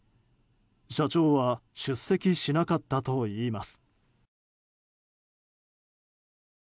社長は出席しなかったといいます。